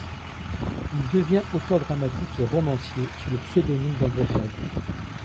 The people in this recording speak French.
Il devient auteur dramatique et romancier sous le pseudonyme d'André Fergan.